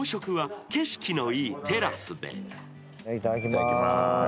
いただきます。